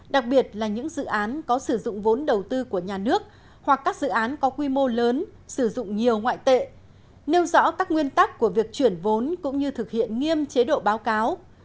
đặc biệt là những dự án có sử dụng vốn đầu tư của nhà nước hoặc các dự án có quy mô lớn sử dụng nhiều ngoại tệ nêu rõ các nguyên tắc của việc chuyển vốn cũng như thực hiện nghiêm chế độ báo cáo